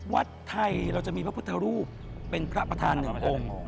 วัดไทยเราจะมีพระพุทธรูปเป็นพระประธานหนึ่งองค์